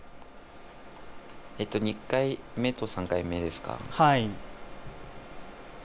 ２回目と３回目ですか？